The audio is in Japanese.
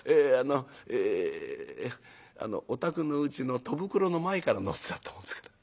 あのお宅のうちの戸袋の前から乗せちゃったもんですから。